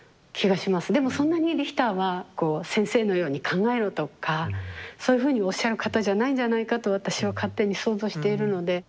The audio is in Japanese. でもそんなにリヒターはこう先生のように考えろとかそういうふうにおっしゃる方じゃないんじゃないかと私は勝手に想像しているので。